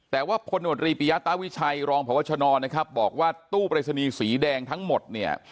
แต่ว่าพลโนตรีปิยาตาวิชัยรองพวชนนะครับบอกว่าตู้ปริศนีย์สีแดงทั้งหมดเนี่ย